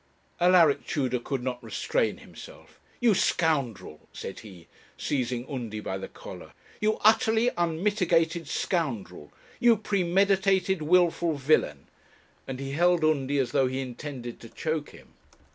Alaric Tudor could not restrain himself. 'You scoundrel,' said he, seizing Undy by the collar; 'you utterly unmitigated scoundrel! You premeditated, wilful villain!' and he held Undy as though he intended to choke him.